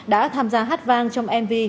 đã tham gia hát vang trong mv